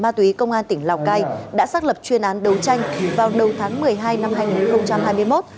ma túy công an tỉnh lào cai đã xác lập chuyên án đấu tranh vào đầu tháng một mươi hai năm hai nghìn hai mươi một